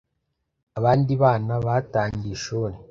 abandi bana batangiye ishuri